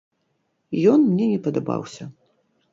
Ён мне не падабаўся.